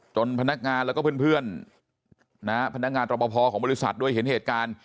พนักงานแล้วก็เพื่อนนะฮะพนักงานรอปภของบริษัทด้วยเห็นเหตุการณ์